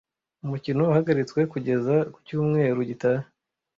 Umukino wahagaritswe kugeza ku cyumweru gitaha.